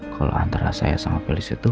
kalau antara saya sama polisi itu